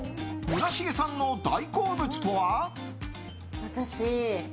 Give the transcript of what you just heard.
村重さんの大好物とは？